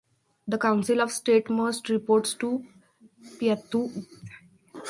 The Council of State must reports to Pyithu Hluttaw.